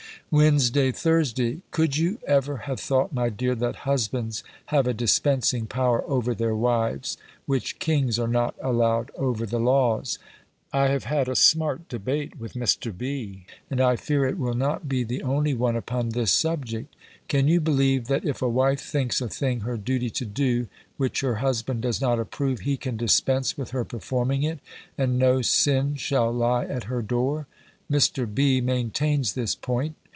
WEDNESDAY, THURSDAY. Could you ever have thought, my dear, that husbands have a dispensing power over their wives, which kings are not allowed over the laws? I have had a smart debate with Mr. B., and I fear it will not be the only one upon this subject. Can you believe, that if a wife thinks a thing her duty to do, which her husband does not approve, he can dispense with her performing it, and no sin shall lie at her door? Mr. B. maintains this point.